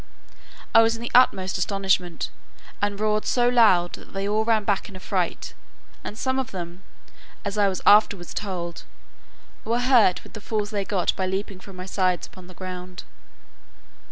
I was in the utmost astonishment, and roared so loud, that they all ran back in a fright; and some of them, as I was afterwards told, were hurt with the falls they got by leaping from my sides upon the ground.